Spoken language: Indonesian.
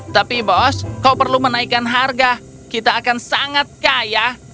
tapi bos kau perlu menaikkan harga kita akan sangat kaya